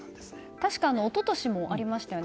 確か一昨年もありましたよね。